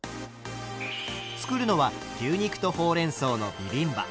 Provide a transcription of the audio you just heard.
作るのは牛肉とほうれんそうのビビンバ。